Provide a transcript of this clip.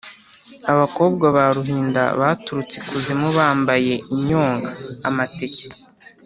Abakobwa ba Ruhinda baturutse ikuzimu bambaye inyonga.-Amateke.